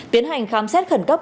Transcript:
tiến hành khám xét khẩn cấp